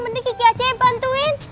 mending kiki aja yang bantuin